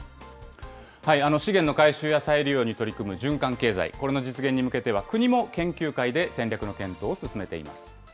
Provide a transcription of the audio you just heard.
資源の回収や再利用に取り組む循環経済、これの実現に向けては、国も研究会で戦略の検討を進めています。